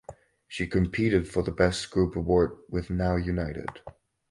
She competed for the Best Group award with Now United.